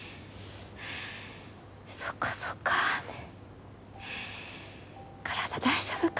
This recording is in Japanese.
そっかそっかって体大丈夫か？